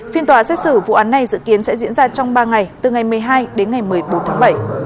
phiên tòa xét xử vụ án này dự kiến sẽ diễn ra trong ba ngày từ ngày một mươi hai đến ngày một mươi bốn tháng bảy